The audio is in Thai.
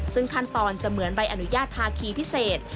ซึ่งขั้นตอนจะเหมือนใบอนุญาตภาคีพิเศษ